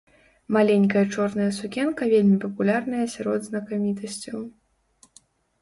Маленькая чорная сукенка вельмі папулярная сярод знакамітасцяў.